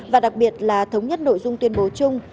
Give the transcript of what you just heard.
và đặc biệt là thống nhất nội dung tuyên bố chung